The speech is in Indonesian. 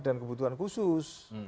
dan kebutuhan khusus